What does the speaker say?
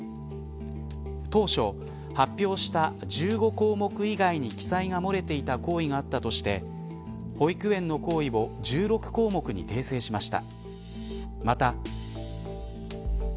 当初、発表した１５項目以外に記載の漏れていた行為があったとして保育園の行為を１６項目に訂正しました。